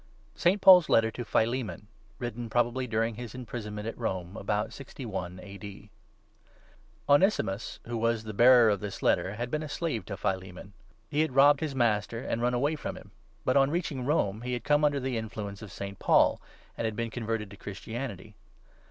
ST. PAUL'S LETTER TO PHILEMON, WRITTEN PROBABLY DURING HIS IMPRISON MENT AT ROME, ABOUT 61 A.D. ONESIMUS, who was the bearer of this Letter, had been a slave to Philemon. He had robbed his master and run away from him ; but, on reaching Rome, he had come under the influence of St. Paul, and had been converted to Christianity.